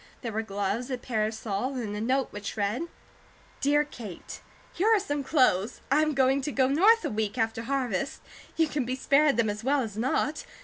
There were gloves, a parasol, and a note which read: DEAR KATE: Here are some clothes. I am going to go North a week after harvest. You can be spared then as well as not.